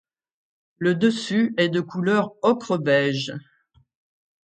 Le dessus est de couleur ocre beige.